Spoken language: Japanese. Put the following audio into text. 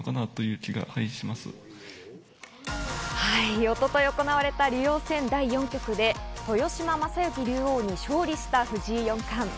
一昨日、行われた竜王戦第４局で豊島将之竜王に勝利した藤井四冠。